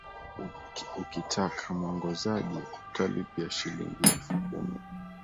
ukitaka muongozaji utalipia shilingi elfu kumi